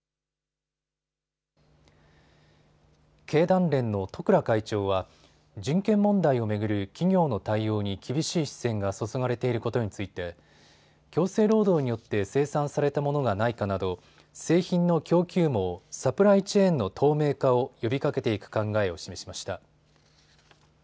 経団連の十倉会長は人権問題を巡る企業の対応に厳しい視線が注がれていることについて強制労働によって生産されたものがないかなど製品の供給網・サプライチェーンの透明化を呼びかけていく考えを示しました。